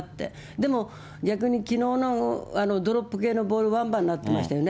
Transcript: でも、逆にきのうのドロップ系のボール、ワンバンなってましたよね。